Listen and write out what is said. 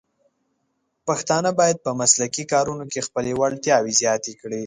پښتانه بايد په مسلکي کارونو کې خپلې وړتیاوې زیاتې کړي.